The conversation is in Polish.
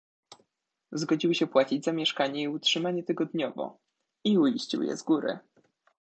"Zgodził się płacić za mieszkanie i utrzymanie tygodniowo i uiścił je z góry."